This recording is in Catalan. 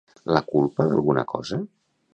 La culpa d'alguna cosa?